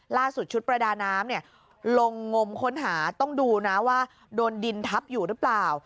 ชุดประดาน้ำลงงมค้นหาต้องดูนะว่าโดนดินทับอยู่หรือเปล่า